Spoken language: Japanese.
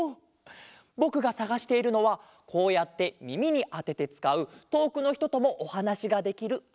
ぼくがさがしているのはこうやってみみにあててつかうとおくのひとともおはなしができるあれですよあれ！